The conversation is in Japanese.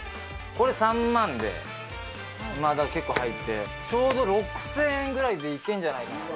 これ３万で、結構履いてちょっと６０００円ぐらいでいけんじゃないかなと。